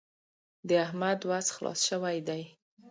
د احمد وس خلاص شوی دی.